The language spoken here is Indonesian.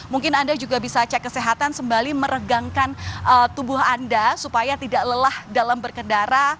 mungkin anda juga bisa cek kesehatan sembali meregangkan tubuh anda supaya tidak lelah dalam berkendara